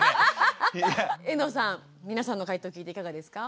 遠藤さん皆さんの回答を聞いていかがですか？